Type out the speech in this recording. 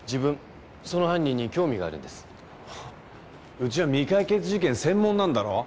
うちは未解決事件専門なんだろ？